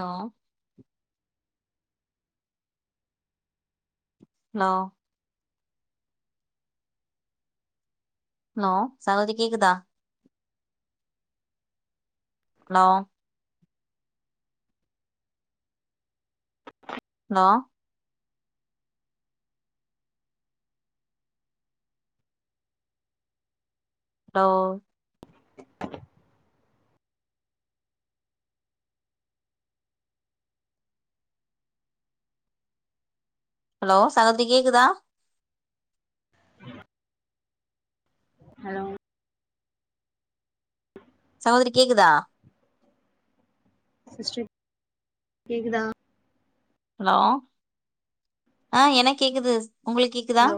No hello no சவோதிரி கேக்குதா hello hello டோவ் ஹலோ சகோத்திரி கேக்குதா ஹலோ சகோதரி கேக்குதா சிஸ்டர் கேக்குதா ஹலோ ஆ எனக் கேக்குது உங்களுக் கேக்குதா ஹலோ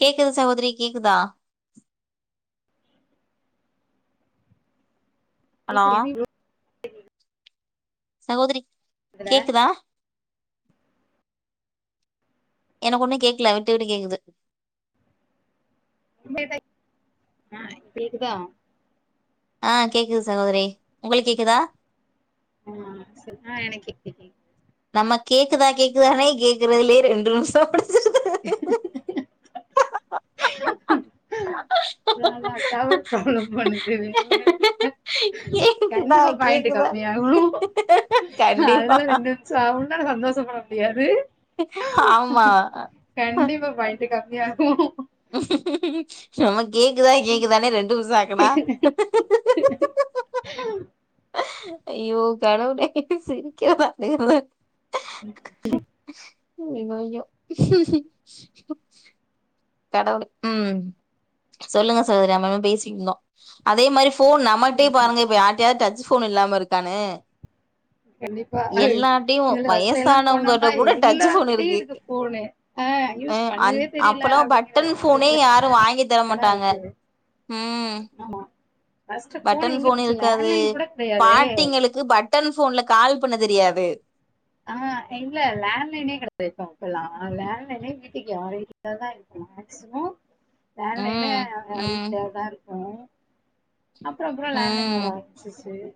கேக்குது சகோதரி கேக்குதா ஹலோ கேக்கு [unintelligible] சகோதரி இதுல கேக்குதா எனக்கு ஒண்ணு கேக்கல விட்டு விட்டு கேக்குது ஆ கேக்குதா ஆ கேக்குது சகோதரி உங்களுக் கேக்குதா ம் ஆ எனக் கேக்குது நம்ம கேக்குதா கேக்குதானே கேக்குறதுலே ரெண்டு நிமிசம் [inaudible] ஆ அத அத டவர் பரப்பளவு பன்னுது கேக்குதா கண்டிப்பா பாயிண்ட் கேக்குதா கம்மியாகு கண்டிப்பா அதுல்லாம் ரெண்டும் சவ்ண்ட சந்தோஷ பட முடியாது ஆமா கண்டிப்பா பாயிண்ட் கம்மியாகும் நம்ம கேக்குதா கேக்குதானே ரெண்டு நிமிசம் ஆக்குனா அய்யோ கடவுளே சிரிக்கறத தெரியலே அய்யோ அய்யோ கடவுளே ம் சொல்லுங்க சகோதரி நம்ம ஏதோ பேசிட்டுந்தோ அதே மாரி போன் நம்மள்ட்டே பாருங்க இப்ப யாருட்டயாவது டச் போன் இல்லாம இருக்கானு கண்டிப்பா இதுல பஸ்ல வயசானவங்கட்ட போனோம்னா கூட டச் ஃபோன் எல்லார்கிட்டயும் இருக்கு போனு ஆ அ யூஸ் அந் பண்ணவே தெரியல அப்பல்லா அப்படிங்கிற பட்டன் ஃபோனே பட்சத்துல யாரும் வாங்கி எல்லா தரமாட்டாங்க இருக்கு ஆமா ஃபஸ்ட்டு ஃபோனு பட்டன் எங்க ஃபோன் இருந்துச்சு லேன்லைன் கூட கிடையாதே க்கு பட்டன் ஓபோன்ல கால் பண்ண தெரியாது ஆ இல்ல லேண்ட்லைனே கிடையாது இப்ப அப்பல்லாம் லேண் லைனே வீட்டுக்கு யார் கிட்டய தான் இருக்கு ம் லேண்லைனே ம் யார் ம் வீட்லய தான் இருக்கும் அப்பறம் அப்பறம் லேண்ட்லைன் ம் வர செ சேரி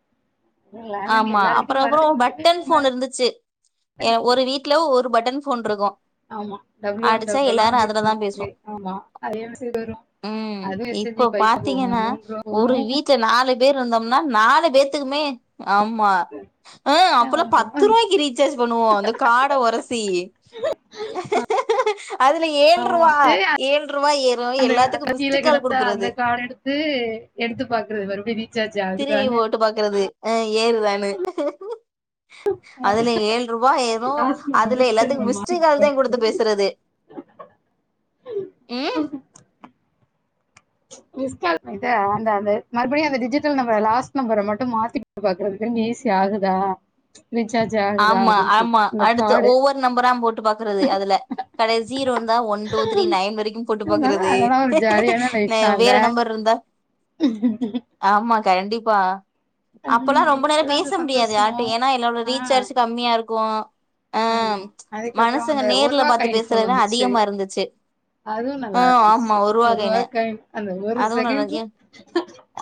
ஆமா அப்பறம் அப்பறம் முன்னாடியுமே பட்டன் இப்ப ம ஃபோன் இருந்துச்சு ஒரு வீட்ல ஒரு பட்டன் ஃபோன்ருக்கு ஆமா டபள்யூ ஒன் டபள் எல்லா வந்துட்டு பேசுவோ இருந்துச்சு ஆமா அது என்ன செய்த வரும் ம் இப்போ பாத்தீங்கன்னா ரூவா ஒரு போகு வீட்ல நாலு பேர் இருந்தோம்னா நாலு பேத்துக்குமே ஆமா ஆ அப்பெல்லா பத்து ஆமா ரூபாய்க்கி ரீசார்ஜ் பண்ணுவோ அந்த கார்டு ஒரசி [inaudible] அதுல ஆமா ஏல்ரூபா ஏல்ரூபா ஏறும் எல்லாத்துக்கூ மிஸ்டு கால் குடுக்குறத்து வந்து எடுத்து பாக்குறது மருபடியூ ரீச்சார்ஜ் திரும்பி ஆகுதான்னு போட்டு பாக்குறது அ ஏறுதான்னு அதுல ஏல் ரூபாய் ஏரும் காசு நோட்ட அதுல மறுபடியு ரிட்டன் எல்லாத்துக்கூ வர மிஸ்டு மாட்டிக்கு கால்தோ பாக்குறது குடுத்து பேசுறது ம் மிஸ்கால்‌ வந்த அந்த அந்த மறுபடியூ அந்த டிஜுடல் நம்பர லாஸ்ட் நம்பர் மட்டூ மாத்தி பாக்குறதுக்கு ஈசி ஆகுதா ரீசார்ஜ் ஆகுதா ஆமா அப்டின் ஆமா சொல்ட்டு இந்த அடுத்து கார்டு ஒவ்வொரு நம்பரா போட்டு பாக்குறது அதுல கடை ஜீரோந் தான் ஒன் டூ த்ரீ நைன் வரைக்கூ போட்டு அதனால பாக்குறது அதெல்லாம் ஒரு ஜாலியான நெ லைஃப் தான் இல்ல வேற நம்பர் இருந்தா [inaudible] ஆமா கண்டிப்பா உம் அப்பெல்லா ரொம்ப நேரோ இப்பதான் பேச அந்த முடியாது சந்தோஷமும் யர்டையூ ஏன்னா எல்லோரட ரீச் ஆஹ் கம்மியா இருக்கூ ஆ ஆமா. அதுக்கப்புறம் மனுசங்க அந்த ஒரு நேர்ல ரூபா பார்த்து பேசுறதுதா அதிகமா இருந்துச்சு அதுவூ ஆ நல்லா ஆமா இருந்துச்சு ஒருவா ஒரு காயினு வாக்கையின் அந்த ஒரு அதுவு செகண்ட்ல நல்லது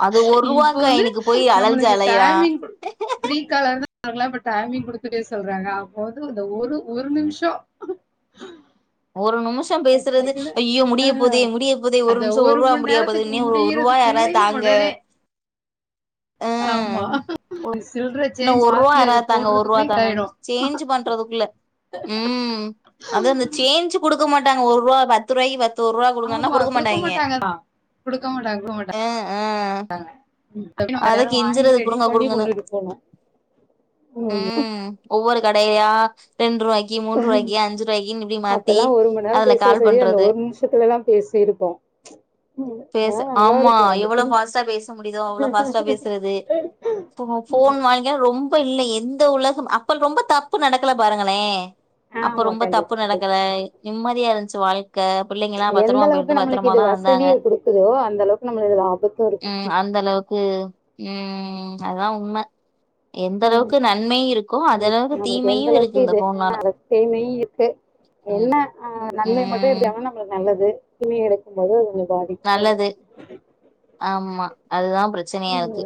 அது ஒருவா இப்ப வந்து காயினுக்கு போய் அலஞ்சு நம்மளுக்கு அலையறா டைமிங் கொடுத் ஃப்ரீ காலர்னா ஆகலா பட் டைமிங் குடுத்து போஸ் சொல்றாங்க அப்போ வந்து அந்த ஒரு ஒரு நிமிஷோ ஒரு நிமிஷ் தம் பேசுறது கேட்டுட்டேக்குள்ள ஐயோ ஆ முடிய போதே முடிய போதே ஒரு அந்த நிமிஷோ ஒரு ரூபா மண் முடியா நேரத்துக்கு போதோ ஒரு ரூபா யாரத் முடியறதுக்குள்ளயு தாங்க உடனே ஆ அந்த சில் இன்னூ ஒரு ரூபா யறாத் தாங்க ஒரு ரூபா தாங்க இதாயிடு சேஞ்ச் பண்றதுக்குள்ள ம் அதூ அந்த சேஞ்ச்சு குடுக்க மாட்டாங்க ஒரு ரூபா வச் பத்து ரூபாய்கி பத்து ஒரு ரூபா கொடுங்கன்னா ஆமா குடுக்க மாட்டாங்கே மாட்டாங்கதா குடுக்க மாட்டாங் குடுக்க மாட்டாங்க ங்க அப்டீயூ வேற அத யார்ட்டியாவது கெஞ்சுறது வாங்கிட்டு ரெடி குடுங்க பண்ணி குடுங்கன்னு கெண்டுபேவோ ஆமா ம் ஒவ்வொரு கடையா ரெண்டு ரூவாய்க் க்கி மூன்று ரூபாய்கி அஞ்சு ரூபாய்கு இப்டி மாத்தி அப்பெல்லா ஒரு மண் நேரோ அதுல பேசுற கால் சரி அந்த பண்றது ஒரு நிமிஷத்துலல்லா பேசிருப்போ பேச அதெல்லா நல்லா ஆமா இருக்கு எவ்ளோ அது ஃபாஸ்ட்டா பேச முடியுதோ அவ்ளோ ஃபாஸ்டா பேசுறது ஃபோ ஃபோன் வாங்கி ஏ ரொம்ப இல்ல எந்த உலகம் அப்ப ரொம்ப தப்பு நடக்கல பாருங்களே அப்ப ஆமா ரொம்ப தப்பு கண்டிப்பா நடக்கள கண்டிப்பா நிம்மதியா இருந்ச்சு வாழ்க் க பிள்ளைங்கெல்லா எந்த பத்திரமா அளவுக்கு போய்ட்டு நம்மளுக்கு பத்திரம இது தா வந்தாங்க வசதிய குடுக்குதோ அந்த அளவுக்கு நம்மளுக்கு இதுல ஆபத்து இருக்கு ம் அந்த அளவுக்கு கு ம் அதா உண்மை எந்த அளவுக்கு நன்மையூ இருக்கே அந்த அளவுக்கு நம்மளுக்கு எந்த தீமையூ அளவுக்கு இருக்கு இந்த இது ஃபோன் னால தீமையு இருக்கு என்ன ஆ நன்மைய் மட்டூ கெவனப் நல்லது துணி எடுக்கும்போது கெஞ்சொ அது பாதிக்கூ ஆம்மா அதுதா பிரச்சனையா இருக்கு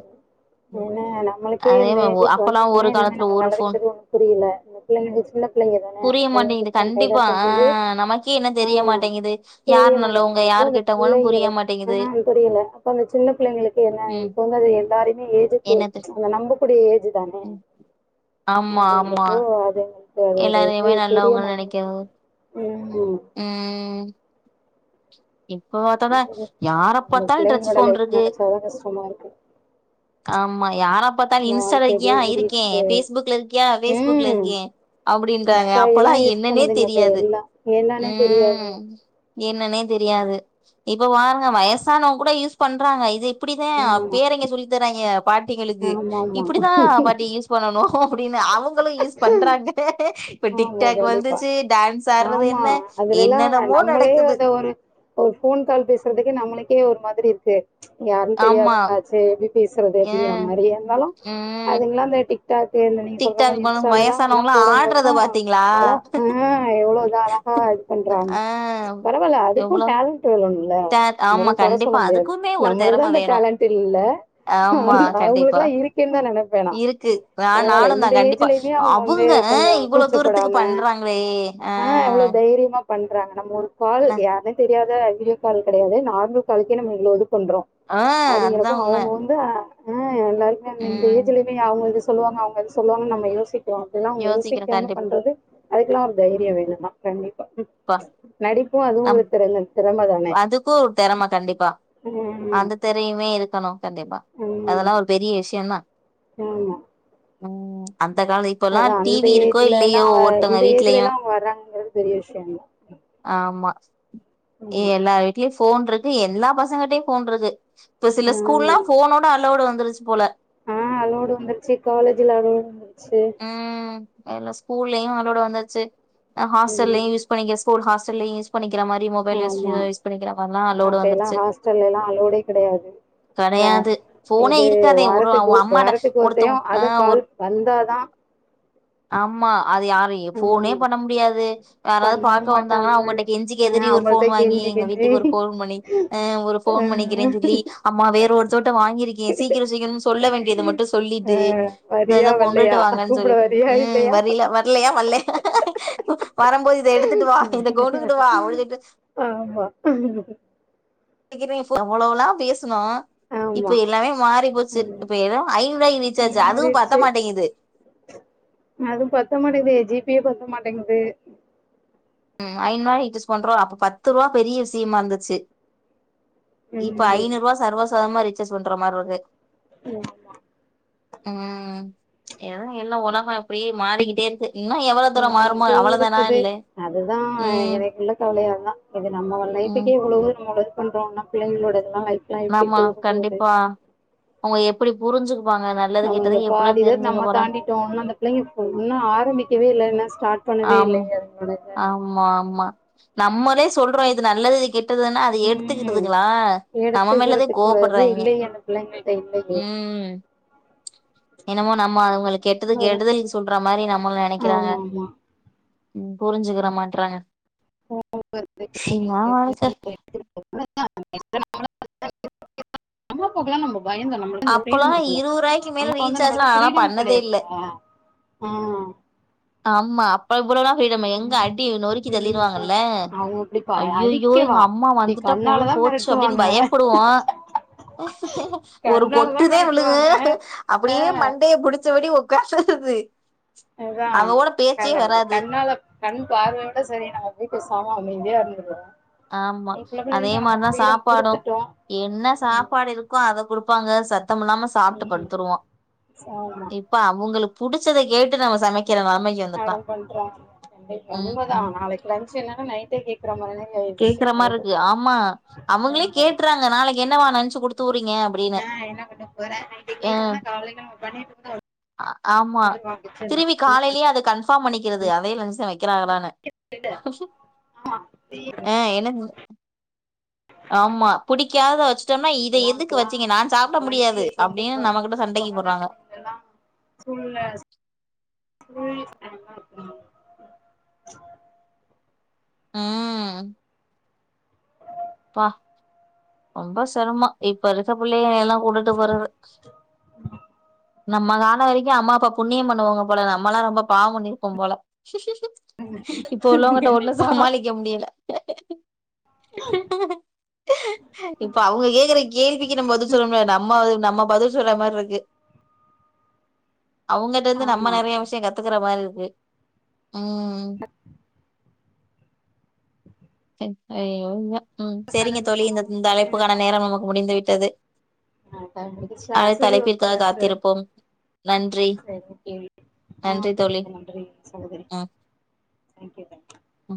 ஏன்ன நம்மள்க்கே அதே இந்த மா ஒ எஜீ அப்பல்லா வந்ததுக்குமே ஒரு இன்னுமே காலத்துல ஒரு நல்லது ஃபோன் கொட்டது ஒண்ணு புரியல பிள்ளைங்களுக்கு சின்ன பிள்ளைங்க தானே அந்த புரிய பிள்ளைங்களுக்கு மாட்டேங்குது ஃபோன் கையில கண்டிப்பா ஆ இருக்கும்போது நமக்கே இன்னூ தெரிய ஆஹ் மாட்டேங்குது யார் நல்லவங்க யார் கெட்ட புள்ளைங்களுக் ஆ புரியல அப்ப அந்த சின்ன புள்ளைங்களுக்கு என்னா ம் சொன்னது எல்லாரையுமே எதுக்கு என்னது அத நம்பக்கூடிய ஏஜ் தானே ம் ஆமா ஆமா அப்டிங்கிரப்போ அதுங்களுக் எல்லாரையுமே நல்லவங்கனு நினைக்கிறது உம் ம் இப்ப பாத்தாதா யார அந்த பாத்தாலு டச் பிள்ளைங்களோட ஃபோன் லைஃப் இருக்கு நினைச்சாதான் கஷ்டமா இருக்கு ஆமா யார பாத்தாலு இன்ஸ்டால வாழ்க்கை அப்டியே இருக்கியா இருக்கே ஓடிருச்சு ஃபேஸ்புக்ல இருக்கியா ஃபேஸ்புக்ல ம் இருக்கே அப்டின்றாங்க இன்ஸ்டா அப்பல்லா எல்லா அது யூஸ் என்னன்னே பண்ணுதுங்க இப்ப தெரியாது எல்லா என்னன்னே தெரியாது ம் என்னன்னே தெரியாது இப்ப பாருங்க வயசானவங்க கூட யூஸ் பண்றாங்க இதே இப்பிடிதா ஆமா பேரங்க சொல்லி தராங்க பாட்டிங்களுக்கு ஆமா ஆமா இப்டிதா பாட்டி யூஸ் பண்ணணு அப்டின்னு அவங்களு யூஸ் பண்றாங்க இப்ப ஆமா டிக்டாக் கண்டிப்பா வந்துச்சு டான்ஸ் ஆட்றது ஆமா என்ன அதுலல்லா என்னென்னமோ நம்மளே நடக்குது அந்த ஒரு ஒரு ஃபோன் கால் பேசுறதுக்கே நம்மளுக்கே ஒரு மாதிரி இருக்கு யாருன்னு ஆமா தெரியாதவங்களாச்சே எப்டி பேசறது அ அப்டிங்கற மாறி இருந்தாலு ம் அதுகல்லா போயி டிக் டாக்கு இல்ல நீங்க சொல்ற மாறி இன்ஸ்டாலல்லா எல்லா போடம் போது புக்ல பாத்தீங்ளா எவ்ளோ இது அழகா இது பண்றாங்க பரவால்ல அதுக்கும் எவ்ளோ டேலண்ட் வேணு இல்லங்க ஆமா அவங்கல்லா கொற கண்டிப்பா சொல்ல முடியாது அதுக்குமே ஒரு தெறம நம்மளுக்குதா அந்த வேணு டேலண்ட் இல்ல ஆமா அவங்களுக்குல்லா இருக்கேன்னு தா நெனப்பே நா இருக்கு நா பரவால்ல நானும் இந்த தான் கண்டிப்பா ஏஜ்ல இப்பயே அவங்க வந்து அவுங்க கொஞ்சோ இவ்ளோ தூரத்துக்கு கூச்சப்படாம பண்றாங்களே ஆ எவ்ளோ தைரியமா பண்றாங்க நம்ப ஒரு காலு ந யார்னே தெரியாத வீடியோ கால் கெடையாது நார்மல் காலுக்கே நம்ம இவ்ளோ இது பண்றோ ஆ அது எனக்கு அதுதான் உண்ம அவுங்க வந்த ஆ எல்லாருமே இந்த ம் ஏஜ்லயமே அவங்க இது சொல்லுவாங்க அவங்க அது சொல்லுவாங்க நம்ம யோசிக்கறோ அப்பில்லா அவங்க யோசிக் யோசிக்கிறேன் கண்டிப்பா என்னது அதுக்கெல்லா ஒரு தைரியம் வேணும் தா கண்டிப்பா ப்பா நடிப்பும் அதுவும் அப் ஒரு திறமை திறமை தானே! அதுக்கும் தெரம கண்டிப்பா ம். அந்த தெரையுமே இருக்கணு கண்டிப்பா ம். அதெல்லா ஒரு பெரிய விஷயந்தா ஆமா ம் அந்த கால அத்தா அந்த ஏஜ்லன்னா இந்த ஏஜ்லல்லா வீட்லயும் அவங்க வராங்கங்றது பெரிய விஷயந்தா ஆமா ம். எல்லா வீட்லயு ஃபோன் இருக்கு எல்லா பசங்கிட்டயு ஃபோன் இருக்கு இப்ப சில ஸ்கூல்லா ம் ஃபோனோட அளோவ்ட் வந்துருச்சு போல ஆ அளோவ்ட் வந்துருச்சி காலேஜ்ல அளோவ்ட் வந்துருச்சி ம் எல்லா ஸ்கூல்லயு அலோவ்ட் வந்துருச்சி ம் ஹாஸ்டல்லயு யூஸ் பண்ணிக்க ஸ்கூல் ஹாஸ்டல்லயு யூஸ் பண்ணிக்ற மாறி மொபைல் ஹிஸ்ட்ரி ஆமா ஏதோ யூஸ் பண்ணிக்கிற மாறில்லா அலோட்டு அப்பயெல்லா வந்துருச்சி ஹாஸ்டல்ல எல்லா அலோடே கெடையாது கெடையாது போனே இது இருக்காதே ஒரு வாரத்துக்கு அம்மாட வாரத்துக்கு ஒரு டைம் ஒருத்தவங்க ஆ அது ஒரு கால் வந்தாதா ஆமா அது யாரு ஃபோனே ம் பண்ண முடியாது யாராவது பண்ணவு பாக்க வந்தாங்கன்னா மாட்டாங்க அவங்கட்ட கெஞ்சி ஆ கெதரி ஒரு அவங்கள்ட்ட ஃபோன் வாங்கி கெஞ்சி எங்க கெஞ்சி வீட்டுக்கு ஒரு ஃபோன் பண்ணி அ ஒரு ஃபோன் பண்ணிக்கிறேனு சொல்லி அம்மா வேற ஒருதட்ட வாங்கிருக்கே சீக்கிரம் சீக்கிரம்னு சொல்ல வேண்டியத மட்டு ஆ சொல்லிட்டு இந்த இத வரியா கொண்டுட்டு வல்லையா வாங்கன்னு கூப்ட சொல்லிட்டு வரியா ம் இல்லையா வரியில்ல வர் குல்லையா வல்ல வரும்போது இத எடுத்துட்டு வா இந்த கொண்டுகிட்டு வா அப்டின்ட்டு ஆமா வெக்கிற ஃபோன எவ்வளவு எல்லா பேசுனோ ஆமா இப்ப எல்லாமே மாறி போச்சு ம் இப்ப ஏதோ ஐநூற்ரூபாய்க்கு ரீச்சார்ஜ் அதுவு பத்த மாறிடுச்சு மாட்டேங்குது அதுவு பத்த மாட்டேங்குது ஜி பியே பத்த மாட்டேங்குது ம் ஐநூறு ரூவாய்க்கு ரிசார்ஜ் பண்றோ அப்ப பத்து ரூபா பெரிய விஷியமா இருந்துச்சு இப்ப ம் ஐநூரூவா சர்வசாதரணமா ரீசார்ஜ் பண்ற மாறி இருக்கு ம் ம் எதோ எல்லா ஒலகோ அப்டியே மாறிக்கிட்டே இருக்கு இன்னும் எவ்வள தூரோ ஆ மாறுமோ இது அவ்ளோ தானா இருக்குது இல்ல அதுதா ம் எனக்குள்ள கவலையா அதா இது நம்ம ம் லைஃப்க்கே எவ்வளோ இருக்கும் பொழுத் சொல்றேன்னா பிள்ளைங்களோட எல்லா [unintelligible] ஆமா கண்டிப்பா அவங்க எப்டி புரிஞ்சிருப்பாங்க நல்லது நம்ம இந்த கெட்டது எப்டி பாதி இத தெரிஞ்சுக்க நம்ம போறாங் [unintelligible] அந்த பிள்ளைங்களுக் ஒன்னு ஆரம்பிக்கவே இல்ல ஸ்டார்ட் பண்ணவே ஆமா இல்லையே அதுங்களோட இத ஆமா ஆமா நம்மளே சொல்றோ இது நல்லது இது கெட்டதுன்னா அத் து ம் எடுத்துக்கிட்டுதுங்களா நம்ம மேலதா எடுத்துக்கிறதுக்கு கூடது கோவப்பட்றாய்ங்க இல்லையே அந்த பிள்ளைங்கள்ட்ட இல்லையே ம் என்னமோ நம்ம அவங்களுக்கு கெட்டது கெடுதலுக்கு சொல்ற மாரி நம்மள நெனைக்கிறாங்க ஆமா ஆமா ம் புரிஞ்சிக்கிற மாட்றாங்க [inaudible] [inaudible] என்னா வாழ்க்க நம்ப போகலாம் நம்ப பயந்தோ நம்மள அப்பல்லா ஃப்ரீடம்க்குல இருவது ம்ச் ரூவாய்க்கு மேல நமக்கு வந்து ரீசார்ஜ்லா நம்மள்ட்ட நாலா பிஃரீடம் பண்ணதே இல்ல கிடையாதுல்ல ஆ ஆமா அப் அ இவ்ளோல்லா ஃப்ரீடம்மு எங்க அடி நொறுக்கி ம் தள்ளிருவாங்கல்ல அவங்க இப்டி ப ஐய்யய்யோ எங்க அடிக்கவா அம்மா இப்டி வந்துட் ட்டா போய் கண்ணாலதா போச்சு அப்டின்னு மெரட்டுவாங்க பயப்படுவோ ஒரு கண்ணாலதா கொட்டுதே விழுகு மெரட்டுவாங்க அ அப்டியே மண்டய பிடிச்ச படி ஒக் [unintelligible] து அதுதா நல்லாருக்கு வராது கண்ணாலக் கண் பார்வையில செரி நாங்க அப்டி பேசாம அமைதியா இருந்துகிறோ ஆமா அதே மார் தா சாப்பாடு குடுத்துட்டோ என்ன சாப்பாடு இருக் கோ அத குடுப்பாங்க சத்தம்மில்லாம சாப்ட்டு ம் படுத்திருவோ ஆமா இப் ப அவங்களுக்கு புடிச்சத கேட்டு நம்ம சமைக்கிற நெலமைக்கு வந் மேடம் பண்ற [inaudible] உண்ம தா ம் நாளைக்கு லஞ்ச் என்னன்னா நைட்டே கேக்குற மாரி [unintelligible] கேக்கிற அது மார்ருக்கு ஆமா அவங்களே கேட்றாங்க நாளைக்கு என்ன மா லஞ்ச் குடுத்து உட்றீங்க ஆ என்ன கொண்டு போற நைட்டுக்கு பண்ணிட்டோம்னா காலைல நம்ப பண்ணிட்ருக்கணு ஆ ஆமா திரும்பி காலையியே அது கன்ஃப் பார்ம் பண்ணிக்கிறது அதே லஞ்ச்சுதா வைக்கிறாங்களான்னு ஆமா தீர் ஆ எனக்கு ஆமா பிடிக்காத வச் சொன்னா இத இப்பல்லா எதுக்கு இப்பல்லா வச்சீங்க நா சாப்பிட லன்ச்சு முடியாது அப்டின்னு நம்ம கிட்ட சண்டைக்கு போடுறாங்க எல்லா சூழ்நில புரி [inaudible] ம் ப்பா ரொம்ப செரமா இப்ப இருக்கிற பிள்ளைகள எல்லா கூட்டுட்டு போறது நம்ம காண வரைக்கு அம்மா அப்பா புண்ணிய பண்ணவோங்க போல நம்ம எல்லா ரொம்ப பாவோ பண்ணிருப்போ போல இப்ப உள்ளவங்கிட்ட ஒண்ணு கண்டிப்பா சமாளிக்க முடியல இப்ப அவங்க கேக்குற கேள்விக்கு நம்ம பதில் சொல்ல முடியது நம்ம நம்ம பதில்ஸ் சொல்ற மார்ருக்கு அவங்கிட்ட இருந்து நம்ம ஆமா நெறைய விஷியோ கத் துக்கற மாரி இருக்கு ம்ம் செர் ஐயோ ஐயோ வுவ்வா ம் செல செரிங்க விஷயோ தோழி இந்த ம் இந்த அழைப்புக்கான நேரம் நமக்கு முடிந்து விட்டது அப்ப அவங்களுக்கு அடுத்த சரி அழைப்பிற்காக ஓகேங்க சார் காத்திருப்போம் நன்றி சரி ஓ கே ஆ நன்றி ஓகே தோழி நன்றி சகோதரி ம் தேங்க் யூ தேங்க யூ ம்